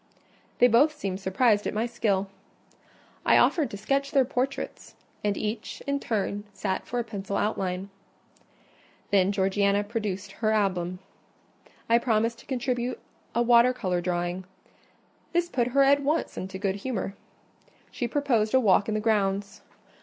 They both seemed surprised at my skill. I offered to sketch their portraits; and each, in turn, sat for a pencil outline. Then Georgiana produced her album. I promised to contribute a water colour drawing: this put her at once into good humour. She proposed a walk in the grounds.